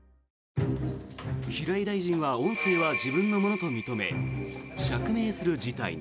平井大臣は音声は自分のものと認め釈明する事態に。